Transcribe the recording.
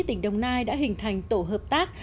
tỉnh đồng nai đã hình thành tổ hợp tác